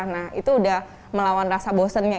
nah itu udah melawan rasa bosennya